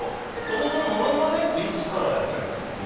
そもそもモノマネっていつからやってるんですか？